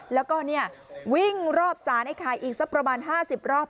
แล้วก็วิ่งรอบสารไอ้ไข่อีกสักประมาณ๕๐รอบ